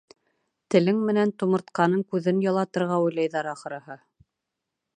Телең менән тумыртҡаның күҙен ялатырға уйлайҙар, ахырыһы.